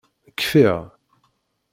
Kfiɣ.